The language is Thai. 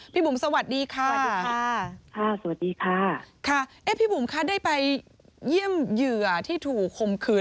บุ๋มสวัสดีค่ะสวัสดีค่ะสวัสดีค่ะค่ะเอ๊ะพี่บุ๋มคะได้ไปเยี่ยมเหยื่อที่ถูกคมคืน